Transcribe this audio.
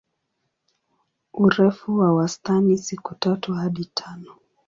Urefu wa wastani siku tatu hadi tano.